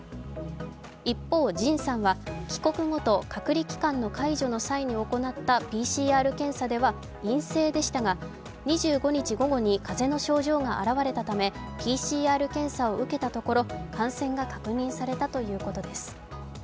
一方ＪＩＮさんは帰国後と隔離期間の解除の際に行ったＰＣＲ検査では陰性でしたが２５日午後にかぜの症状が現れたためＰＣＲ検査を受けたところ、感染が確認されたということです。